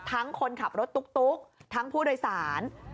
คนขับรถตุ๊กทั้งผู้โดยสาร